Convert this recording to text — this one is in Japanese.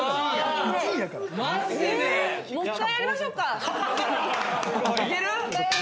もう１回やりましょうか。